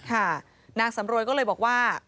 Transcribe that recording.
นางสำรวยก็เลยบอกว่า